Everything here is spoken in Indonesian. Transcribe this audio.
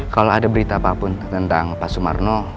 kalo ada berita apapun tentang pas sumarno